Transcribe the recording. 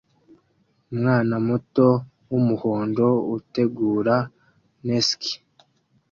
Umwana muto wumuhondo utegura Nesquik